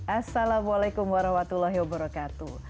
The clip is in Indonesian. assalamualaikum warahmatullahi wabarakatuh